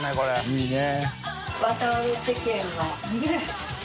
いいね。